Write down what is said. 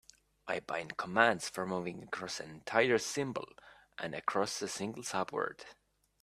I bind commands for moving across an entire symbol and across a single subword.